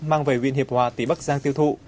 mang về huyện hiệp hòa tỉnh bắc giang tiêu thụ